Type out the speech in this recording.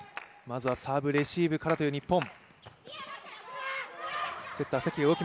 まずはサーブレシーブからという日本。